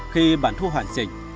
khi bản thu hoàn chỉnh